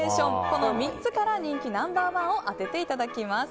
この３つから人気ナンバー１を当てていただきます。